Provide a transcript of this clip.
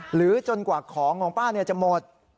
หรือจนกว่าของของป้าจะหมด